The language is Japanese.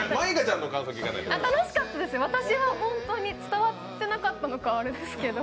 楽しかったですよ、私は本当に伝わってなかったのか、あれですけど。